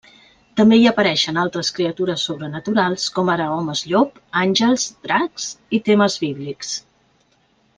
També hi apareixen altres criatures sobrenaturals com ara homes llop, àngels, dracs i temes bíblics.